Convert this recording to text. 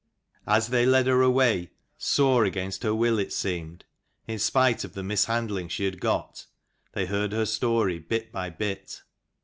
As they led her away, sore against her will it seemed, in spite of the mishandling she had got, they heard her story bit by bit.